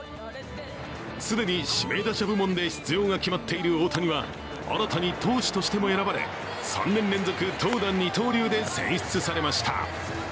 既に指名打者部門で出場が決まっている大谷は新たに投手としても選ばれ３年連続投打二刀流で選出されました。